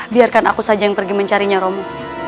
biarkan aku saja yang pergi mencarinya romo